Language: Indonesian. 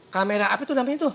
kamera apa itu namanya tuh